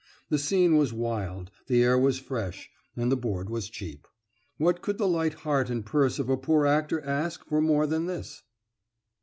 The scene was wild, the air was fresh, and the board was cheap. What could the light heart and purse of a poor actor ask for more than this?